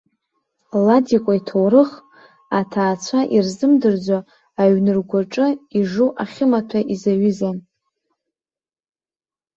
Ладикәа иҭоурых, аҭаацәа ирзымдырӡо, аҩныргәаҿы ижу ахьымаҭәа изаҩызан.